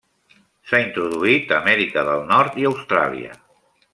S'ha introduït a Amèrica del Nord i Austràlia.